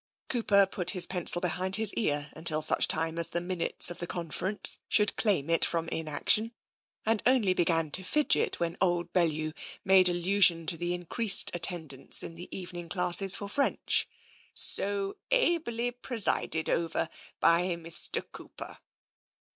Cooper put his pencil behind his ear until such time as the minutes of the conference should claim it from in action, and only began to fidget when old Bellew made allusion to the increased attendance in the evening classes for French, " so ably presided over by Mr. Cooper."